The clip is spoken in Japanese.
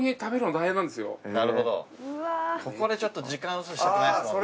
なるほどここでちょっと時間をロスしたくないですもんね。